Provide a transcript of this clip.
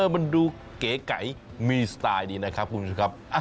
มันดูเก๋ไก่มีสไตล์ดีนะครับคุณผู้ชมครับ